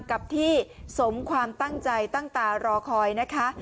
กับที่สมความตั้งใจตั้งตารอคอยนะคะ